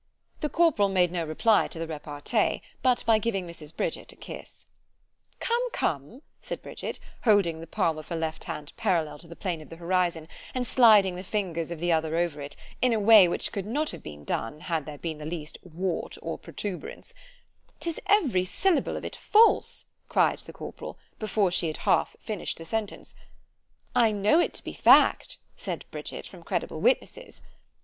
_ The corporal made no reply to the repartee, but by giving Mrs. Bridget a kiss. Come—come—said Bridget—holding the palm of her left hand parallel to the plane of the horizon, and sliding the fingers of the other over it, in a way which could not have been done, had there been the least wart or protruberance——'Tis every syllable of it false, cried the corporal, before she had half finished the sentence—— —I know it to be fact, said Bridget, from credible witnesses.